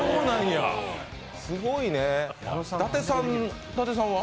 すごいね、伊達さんは？